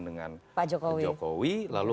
dengan jokowi lalu